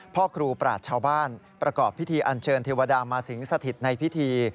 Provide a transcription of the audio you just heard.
พ่อครูปราชชาวบ้านประกอบพิธีอันเชิญเทวดามาสิงสถิตในพิธี